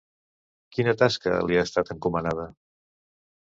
Quina tasca li ha estat encomanada?